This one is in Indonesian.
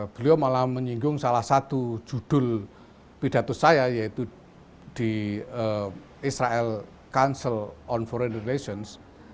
beliau malah menyinggung salah satu judul pidato saya yaitu di israel council on foreig relations